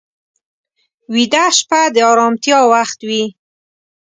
ویده شپه د ارامتیا وخت وي